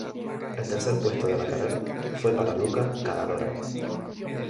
El tercer puesto de la carrera fue para Luca Cadalora.